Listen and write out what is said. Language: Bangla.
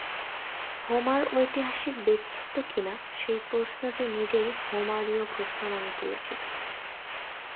হোমার ঐতিহাসিক ব্যক্তিত্ব কিনা, সেই প্রশ্নটি নিজেই "হোমারীয় প্রশ্ন" নামে পরিচিত।